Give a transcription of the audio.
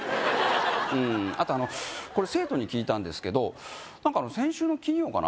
うんあとあのこれ生徒に聞いたんですけど何かあの先週の金曜かな